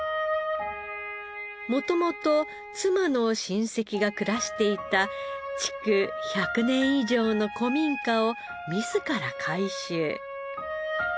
元々妻の親戚が暮らしていた築１００年以上の古民家を自ら改修。